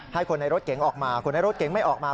ให้คนในรถเก๋งออกมาคนในรถเก๋งไม่ออกมา